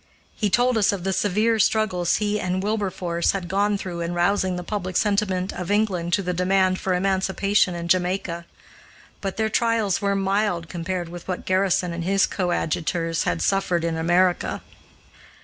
He told us of the severe struggles he and Wilberforce had gone through in rousing the public sentiment of England to the demand for emancipation in Jamaica. But their trials were mild, compared with what Garrison and his coadjutors had suffered in America.